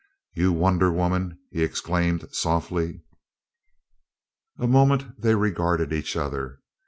"You wonder woman!" he exclaimed softly. A moment they regarded each other.